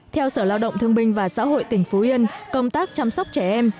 theo sở lao động thương binh và xã hội tỉnh phú yên công tác chăm sóc trẻ em